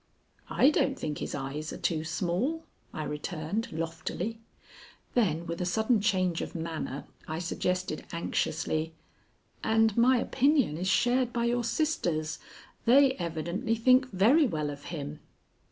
"I don't think his eyes are too small," I returned loftily. Then with a sudden change of manner, I suggested anxiously: "And my opinion is shared by your sisters. They evidently think very well of him."